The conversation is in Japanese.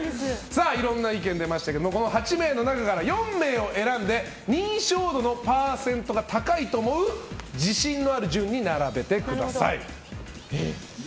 いろんな意見が出ましたけどこの８名の中から４名を選んで認証度のパーセントが高いと思う自信のある順に並べてください。